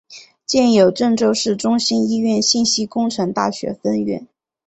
建有郑州市中心医院信息工程大学分院。